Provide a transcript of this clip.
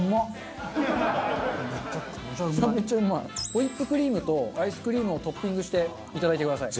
ホイップクリームとアイスクリームをトッピングしていただいてください。